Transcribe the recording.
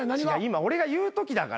今俺が言うときだから。